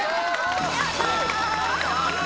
やったー！